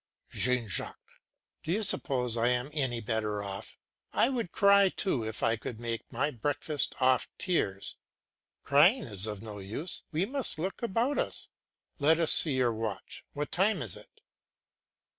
JEAN JACQUES. Do you suppose I am any better off? I would cry too if I could make my breakfast off tears. Crying is no use, we must look about us. Let us see your watch; what time is it?